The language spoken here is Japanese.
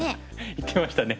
言ってましたね。